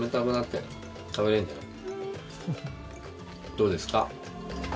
どうですか？